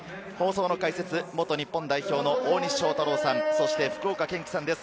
解説は元日本代表の大西将太郎さん、そして福岡堅樹さんです。